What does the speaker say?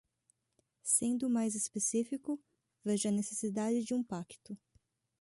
Sendo mais específico, vejo a necessidade de um pacto